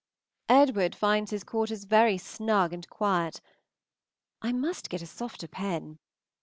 Edward finds his quarters very snug and quiet. I must get a softer pen.